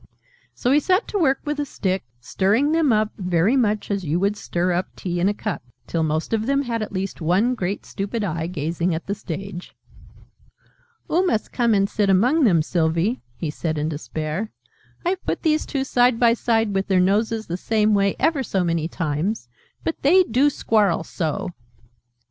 So he set to work with a stick, stirring them up, very much as you would stir up tea in a cup, till most of them had at least one great stupid eye gazing at the stage. "Oo must come and sit among them, Sylvie," he said in despair, "I've put these two side by side, with their noses the same way, ever so many times, but they do squarrel so!"